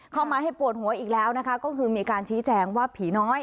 เข้ามาให้ปวดหัวอีกแล้วนะคะก็คือมีการชี้แจงว่าผีน้อย